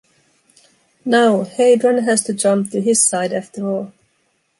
Now, Heidrun has to jump to his side after all.